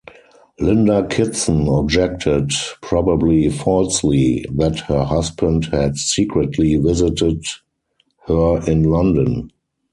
Linda Kitson objected (probably falsely) that her husband had secretly visited her in London.